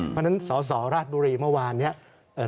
เพราะฉะนั้นสสราชบุรีเมื่อวานนี้